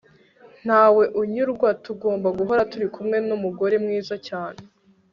ntawe unyurwa tugomba guhora turi kumwe n'umugore mwiza cyane